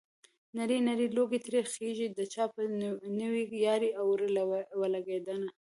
نری نری لوګی ترې خيږي د چا په نوې يارۍ اور ولګېدنه